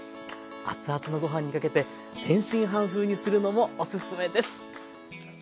アツアツのご飯にかけて天津飯風にするのもおすすめです。